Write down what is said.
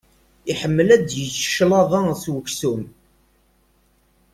Iḥemmel ad yečč cclaḍa s uksum.